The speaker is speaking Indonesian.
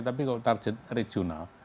tapi kalau target regional